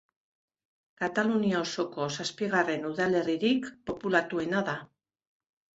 Katalunia osoko zazpigarren udalerririk populatuena da.